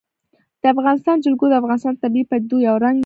د افغانستان جلکو د افغانستان د طبیعي پدیدو یو رنګ دی.